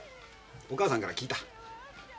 お母さんから聞いた。